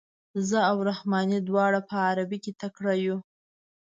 زه او رحماني دواړه په عربي کې تکړه یو.